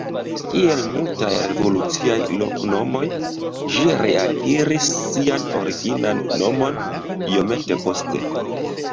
Kiel multaj revoluciaj loknomoj, ĝi reakiris sian originan nomon iomete poste.